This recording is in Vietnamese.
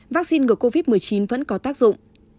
vaccine ngừa covid một mươi chín vẫn có tác dụng